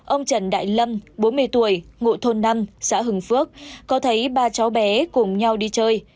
ông trần đại lâm bốn mươi tuổi ngụ thôn năm xã hưng phước có thấy ba cháu bé cùng nhau đi chơi